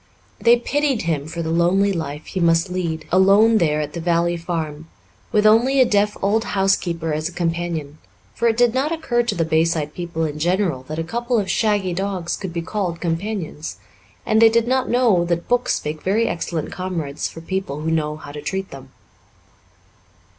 They pitied him for the lonely life he must lead alone there at the Valley Farm, with only a deaf old housekeeper as a companion, for it did not occur to the Bayside people in general that a couple of shaggy dogs could be called companions, and they did not know that books make very excellent comrades for people who know how to treat them.